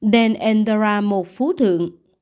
den endera một phú thượng